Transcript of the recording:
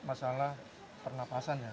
masalah pernapasan ya